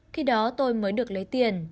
khi đó tôi mới được lấy tiền